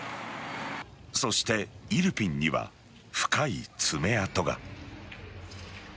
そして、イルピンには深い爪痕が。